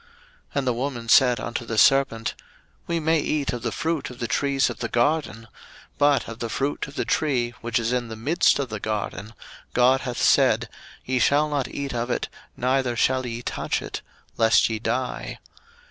01:003:002 And the woman said unto the serpent, We may eat of the fruit of the trees of the garden: 01:003:003 But of the fruit of the tree which is in the midst of the garden, God hath said, Ye shall not eat of it, neither shall ye touch it, lest ye die.